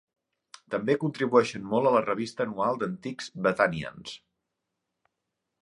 També contribueixen molt a la revista anual d'antics Bethanians.